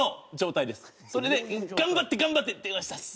それで頑張って頑張って電話したんです！